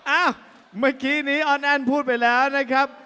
เมื่อกี้นี้ออนแอ้นพูดไปแล้วนะครับ